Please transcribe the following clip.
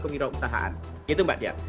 kewirausahaan gitu mbak dia